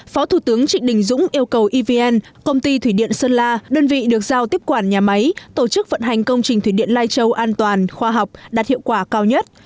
phó thủ tướng trịnh đình dũng yêu cầu evn công ty thủy điện sơn la đơn vị được giao tiếp quản nhà máy tổ chức vận hành công trình thủy điện lai châu an toàn khoa học đạt hiệu quả cao nhất